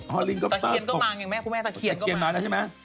ฮอลิงก็เปิดปุ่มจริงแม่ครูแม่สะเขียนก็มาสะเขียนมาแล้วใช่ไหม